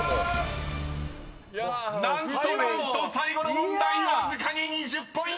［何と何と最後の問題わずかに２０ポイント！］